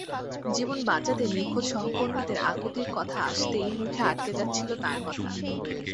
জীবন বাঁচাতে নিখোঁজ সহকর্মীদের আকুতির কথা আসতেই মুখে আটকে যাচ্ছিল তাঁর কথা।